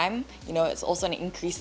itu juga menunjukkan keuntungan dari asetmu